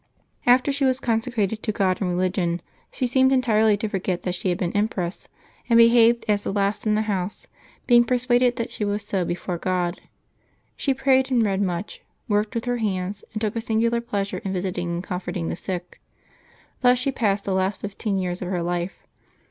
After she was consecrated to God in religion, she seemed entirely to forget that she had been empress, and behared as the last in the house, being persuaded that she was so before God. She prayed and read much, worked with her hands, and took a singular pleasure in visiting and comforting the sick. Thus she passed the last fifteen years of her life.